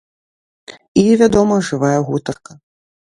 І вядома, жывая гутарка.